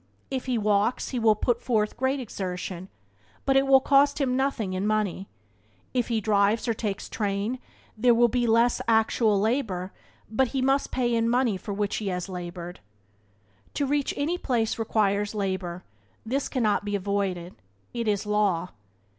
If he walks he will put forth great exertion, but it will cost him nothing in money; if he drives or takes train, there will be less actual labour, but he must pay in money for which he has laboured. To reach any place requires labour; this cannot be avoided; it is law.